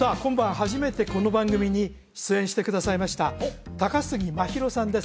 初めてこの番組に出演してくださいました高杉真宙さんです